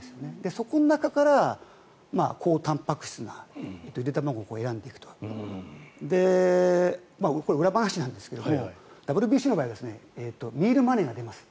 そこの中から高たんぱく質なゆで卵を選ぶとかこれは裏話なんですけどＷＢＣの場合はミールマネーが出ます。